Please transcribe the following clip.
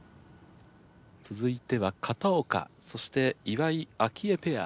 続いては片岡そして岩井明愛ペア。